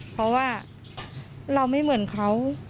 เพราะว่าเราไม่เหมือนเขา